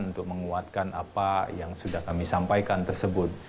untuk menguatkan apa yang sudah kami sampaikan tersebut